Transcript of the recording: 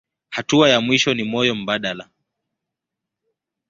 Hatua ya mwisho ni moyo mbadala.